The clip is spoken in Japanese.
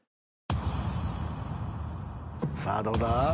さあどうだ？